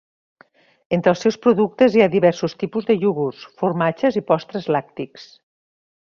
Entre els seus productes hi ha diversos tipus de iogurts, formatges i postres làctics.